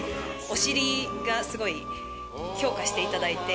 お尻がすごい評価していただいて。